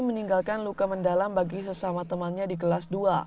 meninggalkan luka mendalam bagi sesama temannya di kelas dua